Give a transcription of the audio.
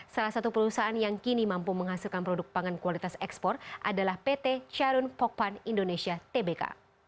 salah satu perusahaan yang kini mampu menghasilkan produk pangan kualitas ekspor adalah pt charun pokpan indonesia tbk